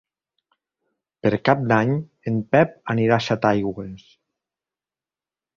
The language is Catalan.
Per Cap d'Any en Pep anirà a Setaigües.